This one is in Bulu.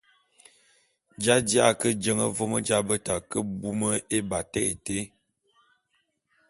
J’aji’a ke jeñe vôm j’abeta ke bume ébatak été.